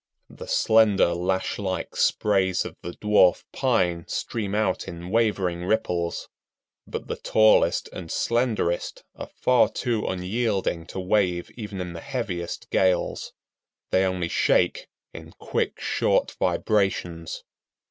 The slender lash like sprays of the Dwarf Pine stream out in wavering ripples, but the tallest and slenderest are far too unyielding to wave even in the heaviest gales. They only shake in quick, short vibrations.